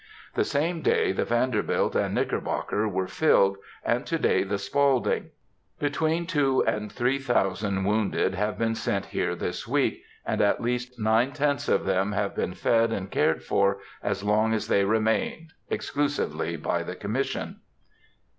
The same day the Vanderbilt and Knickerbocker were filled, and to day the Spaulding. Between two and three thousand wounded have been sent here this week, and at least nine tenths of them have been fed and cared for, as long as they remained, exclusively by the Commission.